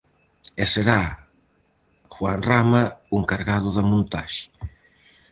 E será Juan Rama o encargado da montaxe.